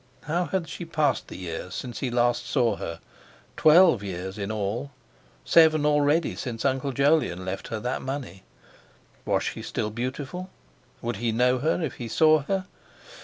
—how had she passed the years since he last saw her, twelve years in all, seven already since Uncle Jolyon left her that money? Was she still beautiful? Would he know her if he saw her?